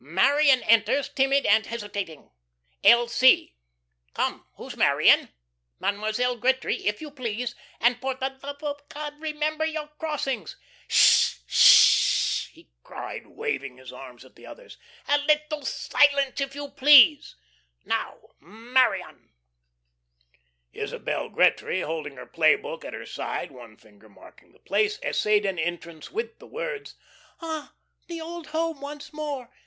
"'Marion enters, timid and hesitating, L. C.' Come, who's Marion? Mademoiselle Gretry, if you please, and for the love of God remember your crossings. Sh! sh!" he cried, waving his arms at the others. "A little silence if you please. Now, Marion." Isabel Gretry, holding her play book at her side, one finger marking the place, essayed an entrance with the words: "'Ah, the old home once more.